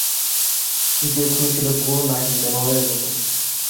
দ্বিতীয় খুনী ছিল করুণাহীন জানোয়ারের মতো।